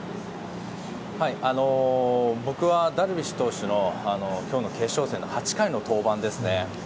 僕はダルビッシュ投手の今日の決勝戦の８回の登板です。